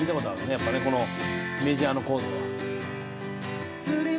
やっぱねこのメジャーのコードは。